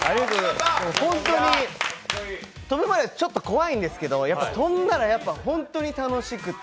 ホントに飛ぶまでちょっと怖いんですけど、飛んだら、やっぱ本当に楽しくて。